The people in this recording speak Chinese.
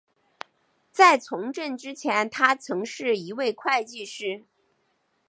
在从政之前他曾是一位会计师。